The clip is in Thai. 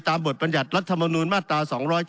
ตามบทบรรยัตรรัฐธรรมนูลมาตรา๒๗๒